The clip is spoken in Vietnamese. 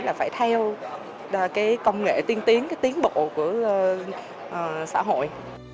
là phải theo công nghệ tiên tiến tiến bộ của xã hội